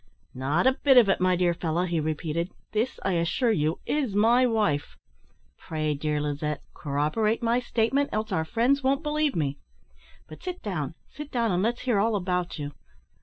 "Not a bit of it, my dear fellow," he repeated. "This, I assure you, is my wife. Pray, dear Lizette, corroborate my statement, else our friends won't believe me. But sit down, sit down, and let's hear all about you.